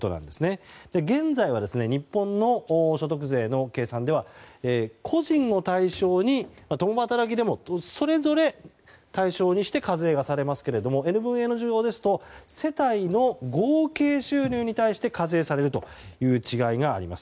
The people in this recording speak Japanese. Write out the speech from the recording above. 現在は日本の所得税の計算では個人を対象に共働きでもそれぞれ対象にして課税がされますけどＮ分Ｎ乗ですと世帯の合計収入に対して課税されるという違いがあります。